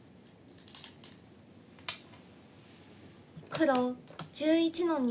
黒１１の二。